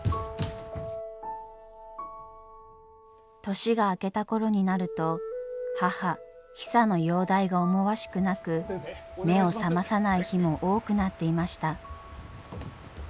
年が明けた頃になると母ヒサの容体が思わしくなく目を覚まさない日も多くなっていました。